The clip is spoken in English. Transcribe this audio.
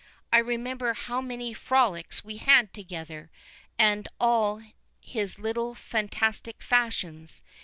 I remember how many frolics we had together, and all his little fantastic fashions.